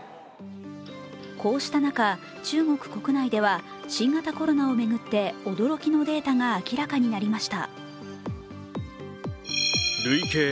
こうした中、中国国内では新型コロナを巡って驚きのデータが明らかになりました。